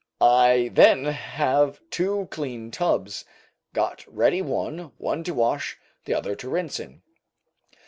I then have two clean tubs got ready, one to wash, the other to rinse in.